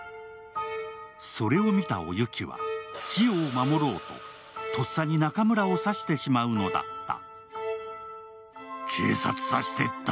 それを見たお雪は、千代を守ろうととっさに中村を刺してしまうのだった。